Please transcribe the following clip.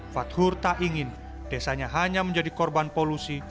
fathur tak ingin desanya hanya menjadi korban polusi